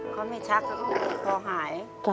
เขาไม่ชักพอหาย